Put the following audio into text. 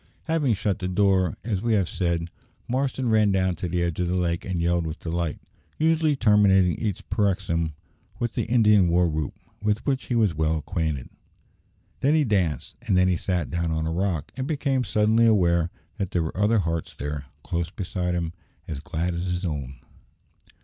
Having shut the door, as we have said, Marston ran down to the edge of the lake and yelled with delight usually terminating each paroxysm with the Indian war whoop, with which he was well acquainted. Then he danced, and then he sat down on a rock, and became suddenly aware that there were other hearts there, close beside him, as glad as his own.